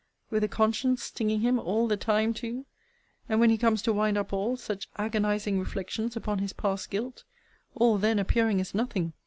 with a conscience stinging him all the time too! And when he comes to wind up all, such agonizing reflections upon his past guilt! All then appearing as nothing!